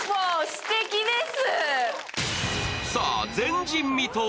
すてきです。